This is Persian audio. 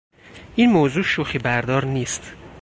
این موضوع شوخیبردار نیست.